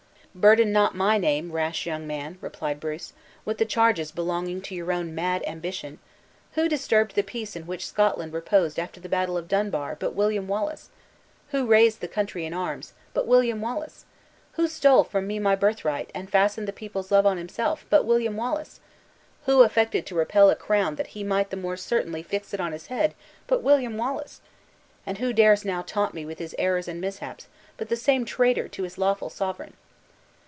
"Burden not my name, rash young man," replied Bruce, "with the charges belonging to your own mad ambition. Who disturbed the peace in which Scotland reposed after the battle of Dunbar, but William Wallace? Who raised the country in arms, but William Wallace? Who stole from me my birthright, and fastened the people's love on himself, but William Wallace? Who affected to repel a crown that he might the more certainly fix it on his head, but William Wallace? And who dares now taunt me with his errors and mishaps, but the same traitor to his lawful sovereign?"